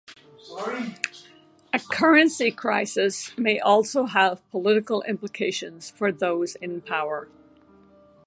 A currency crisis may also have political implications for those in power.